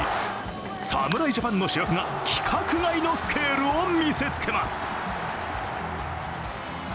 侍ジャパンの主役が規格外のスケールを見せつけます。